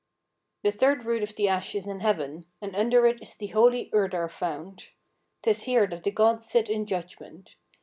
"The third root of the ash is in heaven, and under it is the holy Urdar fount. 'Tis here that the gods sit in judgment.